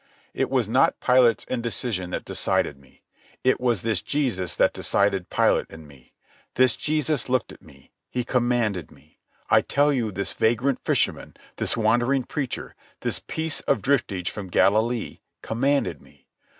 It was not Pilate's indecision that decided me. It was this Jesus that decided Pilate and me. This Jesus looked at me. He commanded me. I tell you this vagrant fisherman, this wandering preacher, this piece of driftage from Galilee, commanded me.